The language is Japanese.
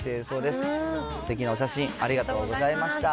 すてきなお写真、ありがとうございました。